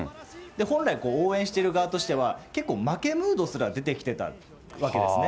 本来、応援してる側としては、結構、負けムードすら出てきてたわけですね。